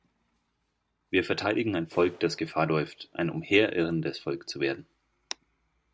Wir verteidigen ein Volk, das Gefahr läuft, ein umherirrendes Volk zu werden.